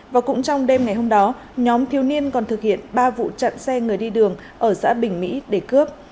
và cũng trong đêm ngày hôm đó nhóm thiếu niên còn thực hiện ba vụ chặn xe người đi đường ở xã bình mỹ để cướp